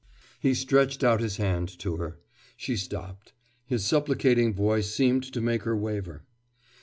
He stretched out his hand to her. She stopped. His supplicating voice seemed to make her waver.